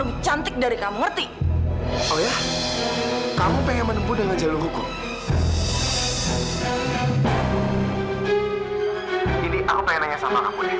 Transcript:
ini aku pengen nanya sama kamu nek